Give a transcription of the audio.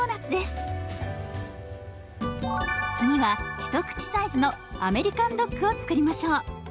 次は一口サイズのアメリカンドッグを作りましょう。